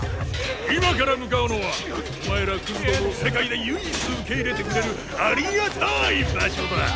今から向かうのはお前らクズ共を世界で唯一受け入れてくれるありがたい場所だ！